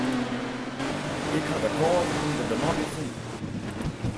Ik ha de kaai ûnder de matte fûn.